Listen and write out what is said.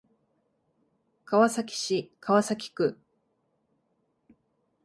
川崎市川崎区